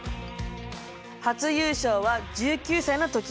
初優勝は１９歳の時。